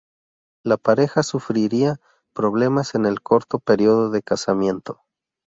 La pareja sufriría problemas en el corto periodo de casamiento.